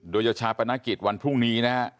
โดยเยาะชาปนกิจวันพรุ่งนี้นะครับ